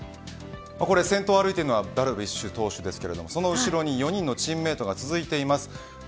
先頭を歩いているのはダルビッシュ投手ですけどその後ろに４人のチームメートが続いています。